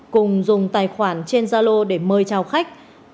cùng dùng tài khoản trên zalo để mời chào khách